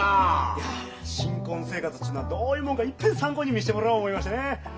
いや新婚生活ちゅうのはどういうもんかいっぺん参考に見してもらおう思いましてね。